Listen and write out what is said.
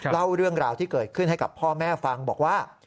เล่าเรื่องราวที่เกิดขึ้นให้กับพ่อแม่ฟังบอกว่า